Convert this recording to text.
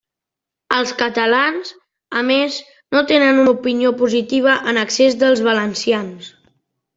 Els catalans, a més, no tenen una opinió positiva en excés dels valencians.